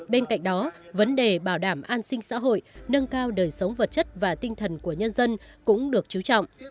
bên cạnh đó vấn đề bảo đảm an sinh xã hội nâng cao đời sống vật chất và tinh thần của nhân dân cũng được chú trọng